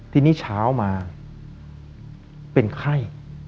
ทีนี้เช้ามาเป็นไข้